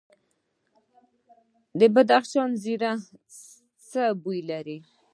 د بدخشان زیره څه بوی لري؟